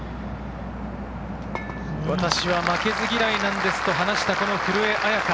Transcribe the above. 私は負けず嫌いなんですと話した古江彩佳。